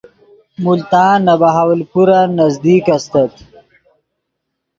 ملتان نے بہاولپورن نزدیک استت